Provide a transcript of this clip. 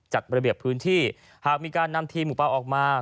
จัดระเบียบพื้นที่หากมีการนำทีมหมูปลาออกมา